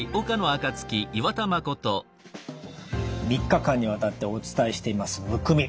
３日間にわたってお伝えしていますむくみ。